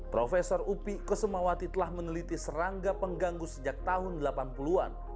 profesor upi kusumawati telah meneliti serangga pengganggu sejak tahun delapan puluh an